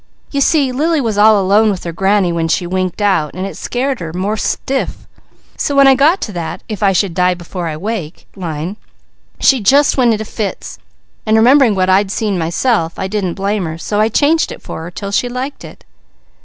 You see Lily was all alone with her granny when she winked out and it scared her most stiff, so when I got to that 'If I should die before I wake,' line, she just went into fits, and remembering what I'd seen myself, I didn't blame her; so I changed it for her 'til she liked it."